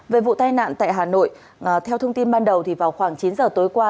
về vụ tai nạn tại hà nội theo thông tin ban đầu thì vào khoảng chín giờ tối qua